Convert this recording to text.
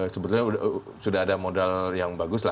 sebetulnya sudah ada modal yang bagus lah